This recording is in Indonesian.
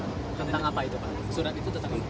tentang apa itu pak surat itu tentang apa